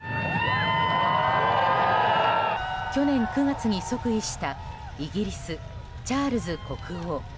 去年９月に即位したイギリス、チャールズ国王。